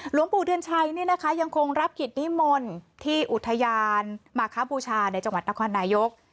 หลวงปู่เดือนชัยยังคงรับกิจนิมนต์ที่อุทยานมาคบูชาในจังหวัดนครนายก